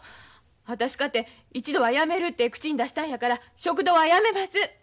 私かて一度はやめるて口に出したんやから食堂はやめます。